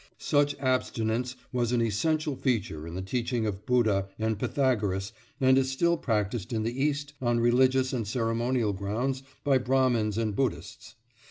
Such abstinence was an essential feature in the teaching of Buddha and Pythagoras and is still practised in the East on religious and ceremonial grounds by Brahmins and Buddhists.